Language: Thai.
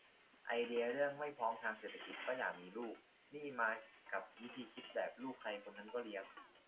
ไอเดียเรื่อง "ไม่พร้อมทางเศรษฐกิจก็อย่ามีลูก" นี่มากับวิธีคิดแบบ ลูกใครคนนั้นก็เลี้ยง